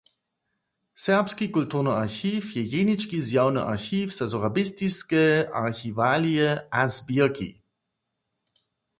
Serbski kulturny archiw je jenički zjawny archiw za sorabistiske archiwalije a zběrki.